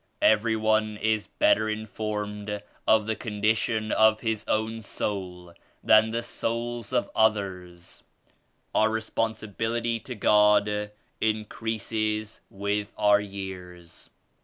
Every one is better informed of the condition of his own soul than the souls of others. Our responsi bility to God increases with our years."